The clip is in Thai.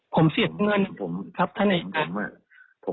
ผมเสียเงินครับท่านเอกท่าน